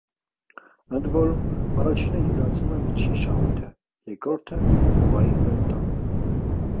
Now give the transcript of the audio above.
Ընդ որում, առաջինը յուրացնում է միջին շահույթը, երկրորդը՝ հողային ռենտան։